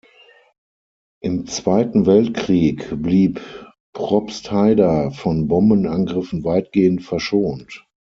Im Zweiten Weltkrieg blieb Probstheida von Bombenangriffen weitgehend verschont.